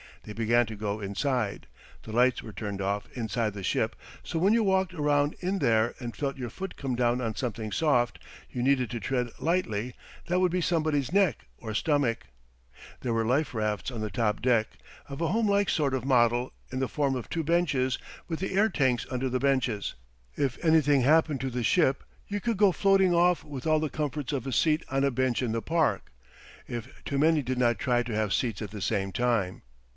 They began to go inside. The lights were turned off inside the ship, so when you walked around in there and felt your foot come down on something soft, you needed to tread lightly that would be somebody's neck or stomach. There were life rafts on the top deck, of a homelike sort of model, in the form of two benches with the air tanks under the benches. If anything happened to the ship, you could go floating off with all the comforts of a seat on a bench in the park if too many did not try to have seats at the same time.